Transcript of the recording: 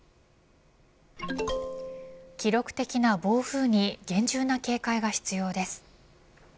記録的な暴風雨に厳重な警戒が必要です。